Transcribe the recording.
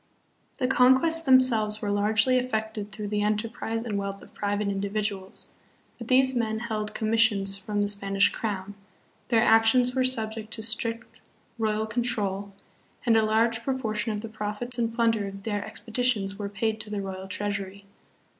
The conquests themselves were largely effected through the enterprise and wealth of private individuals; but these men held commissions from the Spanish crown, their actions were subject to strict royal control, and a large proportion of the profits and plunder of their expeditions were paid to the royal treasury.